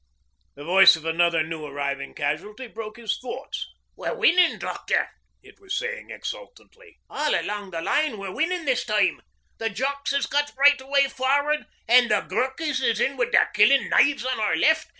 The voice of another new arriving casualty broke his thoughts. 'We're winnin', doctor,' it was saying exultantly. 'All along the line we're winnin' this time. The Jocks has got right away for'ard, an' the Ghurkies is in wid their killin' knives on our left.